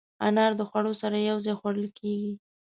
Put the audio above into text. انار د خوړو سره یو ځای خوړل کېږي.